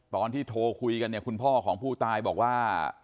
ตอนที่โทรคุยกันเนี่ยคุณพ่อของผู้ตายบอกว่า